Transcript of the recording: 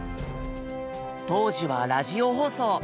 当時はラジオ放送。